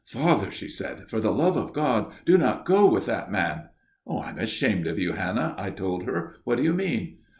"' Father,' she said, ' for the love of God do not go with that man.' ' I am ashamed of you, Hannah,' I told her. ' What do you mean